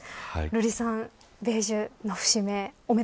瑠麗さん、米寿の節目